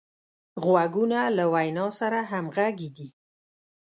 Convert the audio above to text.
غوږونه له وینا سره همغږي دي